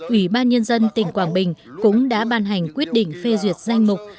ủy ban nhân dân tỉnh quảng bình cũng đã ban hành quyết định phê duyệt danh mục